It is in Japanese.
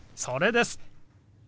それです。